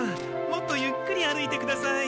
もっとゆっくり歩いてください。